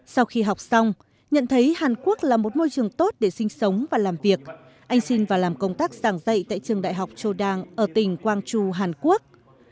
sau khi học xong nhận thấy hàn quốc là một môi trường tốt để sinh sống và làm việc anh xin vào làm công tác giảng dạy tại trường đại học chodang ở tỉnh quang tru hàn quốc